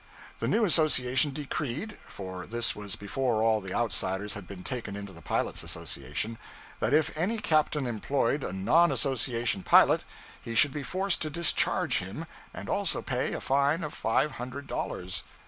The new association decreed (for this was before all the outsiders had been taken into the pilots' association) that if any captain employed a non association pilot, he should be forced to discharge him, and also pay a fine of five hundred dollars.